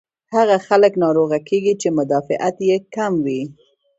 هاغه خلک ناروغه کيږي چې مدافعت ئې کم وي